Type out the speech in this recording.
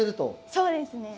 そうですね。